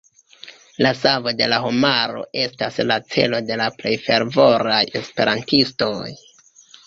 La savo de la homaro estas la celo de la plej fervoraj Esperantistoj.